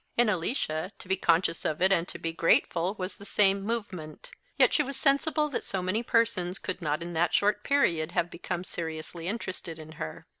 In Alicia, to be conscious of it and to be grateful was the same movement. Yet she was sensible that so many persons could not in that short period have become seriously interested in her.